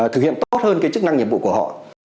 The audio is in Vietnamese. thực hiện tốt hơn cái chức năng nhiệm vụ của họ